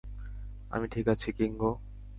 আমি ঠিক আছি, কিঙ্গো।